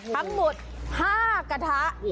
ทั้งหมด๕กระทะ